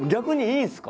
いいんすか？